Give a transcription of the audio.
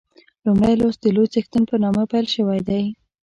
لومړی لوست د لوی څښتن په نامه پیل شوی دی.